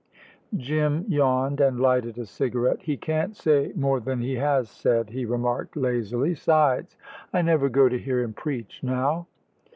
Jim yawned, and lighted a cigarette. "He can't say more than he has said," he remarked, lazily. "'Sides, I never go to hear him preach, now."